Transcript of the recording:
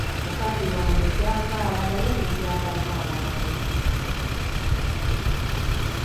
Mukazi wange gy’ava alabayo ne gy’alaga alabayo.